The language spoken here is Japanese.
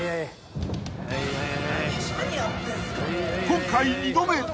［今回２度目